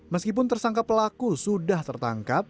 meskipun tersangka pelaku sudah tertangkap